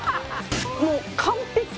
もう完璧。